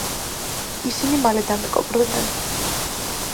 ისინი მალე დამეგობრდნენ.